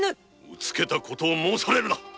うつけた事を申されるな。